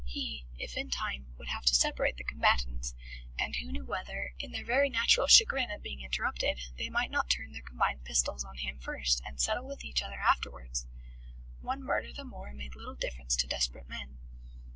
He (if in time) would have to separate the combatants, and who knew whether, in their very natural chagrin at being interrupted, they might not turn their combined pistols on him first, and settle with each other afterwards? One murder the more made little difference to desperate men.